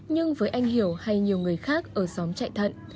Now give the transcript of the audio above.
nhưng với anh hiểu hay nhiều người khác ở xóm chạy thận